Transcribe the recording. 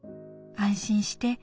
安心して。